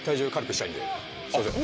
んですいません。